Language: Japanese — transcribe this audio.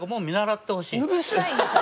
うるさいよ！